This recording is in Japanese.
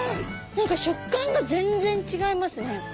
何か食感が全然違いますね。